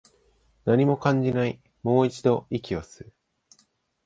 何も感じない、もう一度、息を吸う